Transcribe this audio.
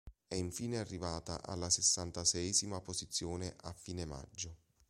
È infine arrivata alla sessantaseiesima posizione a fine maggio.